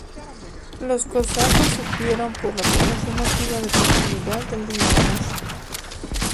Los cosacos supieron por la población nativa de la proximidad del río Amur.